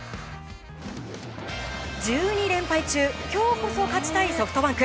１２連敗中今日こそ勝ちたいソフトバンク。